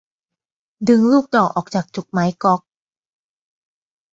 ดึงลูกดอกออกจากจุกไม้ก๊อก